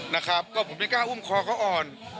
นะครับก็ผมไม่กล้าอุ้มคอเขาอ่อน